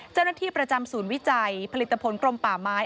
เจ้าหน้าที่ประจำศูนย์วิจัยผลิตผลกลมป่าไม้